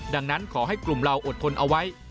ดังนั้นขอให้กลุ่มเราอดทนเอาไว้